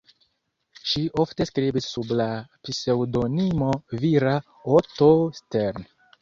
Ŝi ofte skribis sub la pseŭdonimo vira "Otto Stern".